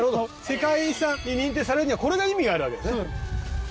世界遺産に認定されるにはこれが意味があるわけですね。